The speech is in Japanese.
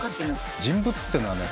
人物っていうのはね